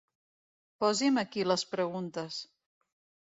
Posi’m aquí les preguntes.